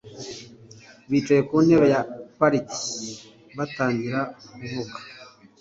Bicaye ku ntebe ya parike batangira kuvuga.